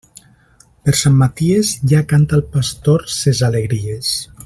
Per Sant Maties, ja canta el pastor ses alegries.